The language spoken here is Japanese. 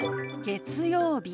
「月曜日」。